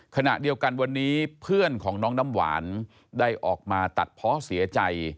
ขณะเดียวกันวันนี้เพื่อนของน้องน้ำหวานได้ออกมาตัดเพาะเสียใจ